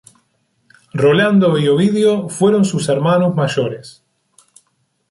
Rolando y Ovidio, fueron sus hermanos mayores.